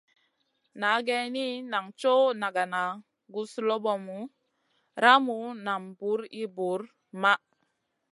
Na geyni, nan coʼ nagana, guzlobomu, ramu nam buw ir buwr maʼh.